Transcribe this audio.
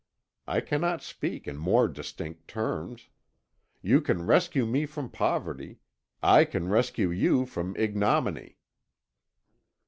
I cannot speak in more distinct terms. You can rescue me from poverty, I can rescue you from ignominy."